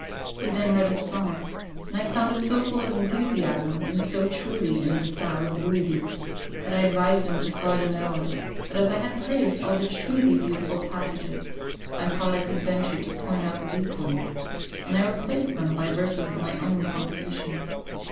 He then read his song, and I found it so full of enthusiasm, and so truly in the style of Guidi, that I advised him to call it an ode; but as I had praised all the truly beautiful passages, I thought I could venture to point out the weak ones, and I replaced them by verses of my own composition.